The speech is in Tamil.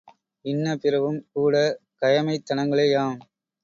இன்ன பிறவும் கூட கயமைத் தனங்களேயாம்!